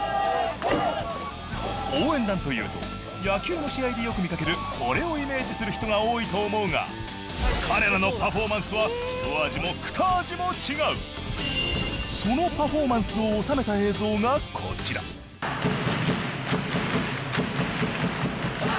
応援団というと野球の試合でよく見掛けるこれをイメージする人が多いと思うが彼らのパフォーマンスはひと味もふた味も違うそのパフォーマンスを収めた映像がこちらハッ！